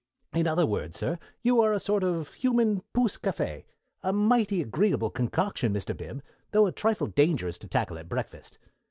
In other words, sir, you are a sort of human pousse café, a mighty agreeable concoction, Mr. Bib, though a trifle dangerous to tackle at breakfast.